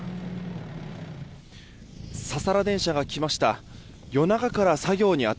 ササラ電車が来ました。